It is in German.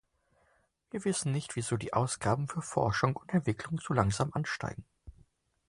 Wir wissen nicht, wieso die Ausgaben für Forschung und Entwicklung so langsam ansteigen.